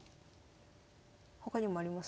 他にもあります？